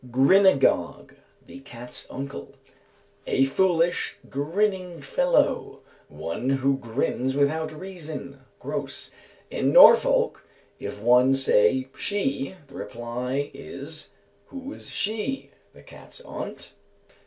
Grinagog, the cat's uncle. A foolish, grinning fellow. One who grins without reason (Grose). In Norfolk, if one say "she," the reply is, "Who's 'she'? The cat's aunt?"